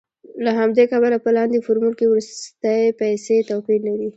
له همدې کبله په لاندې فورمول کې وروستۍ پیسې توپیر لري